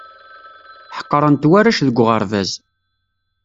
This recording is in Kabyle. Ḥeqren-t warrac deg uɣerbaz.